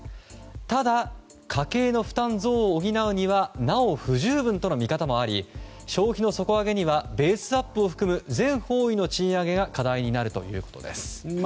ただ、家計の負担増を補うにはなお不十分との見方もあり消費の底上げにはベースアップを含む全方位の賃上げが課題になるということです。